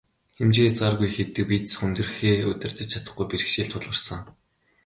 Хэмжээ хязгааргүй их иддэг, бие засах, хүндрэхээ удирдаж чадахгүй бэрхшээл тулгарсан.